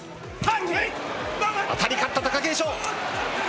当たり勝った貴景勝。